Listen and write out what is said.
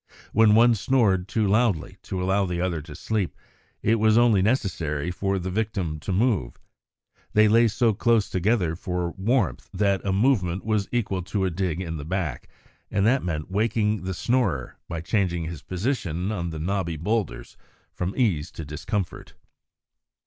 When one snored too loudly to allow the other to sleep, it was only necessary for the victim to move; they lay so close together for warmth that a movement was equal to a dig in the back, and that meant waking the snorer by changing his position on the knobbly boulders from ease to discomfort.